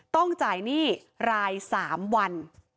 ต้องจ่ายหนี้ราย๓วัน